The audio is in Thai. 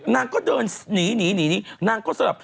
นางก็เดินหนีหนีหนีนางก็เสริฟ